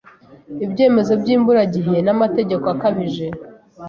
ibyemezo by’imburagihe n’amategeko akabije